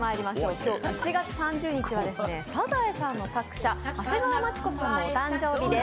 今日１月３０日は、「サザエさん」の作者、長谷川町子さんのお誕生日です。